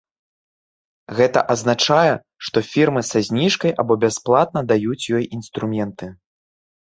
Гэта азначае, што фірмы са зніжкай або бясплатна даюць ёй інструменты.